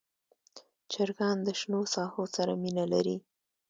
چرګان د شنو ساحو سره مینه لري.